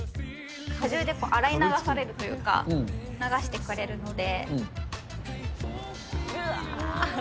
果汁で洗い流されるというか、流してくれるので。